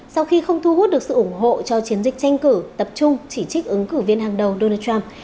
sau khi không thu hút được sự ủng hộ cho chiến dịch tranh cử tập trung chỉ trích ứng cử